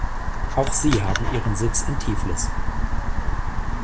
Auch sie haben ihren Sitz in Tiflis.